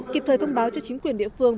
kịp thời thông báo cho chính quyền địa phương